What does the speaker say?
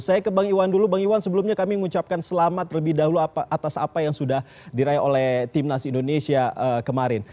saya ke bang iwan dulu bang iwan sebelumnya kami mengucapkan selamat terlebih dahulu atas apa yang sudah diraih oleh timnas indonesia kemarin